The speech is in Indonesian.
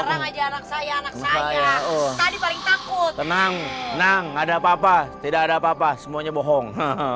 enggak ada apa apa tidak ada apa apa semuanya bohong